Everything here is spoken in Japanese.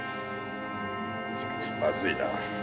まずいな。